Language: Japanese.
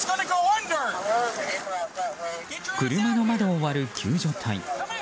車の窓を割る救助隊。